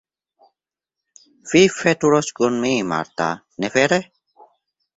Vi veturos kun mi, Marta, ne vere?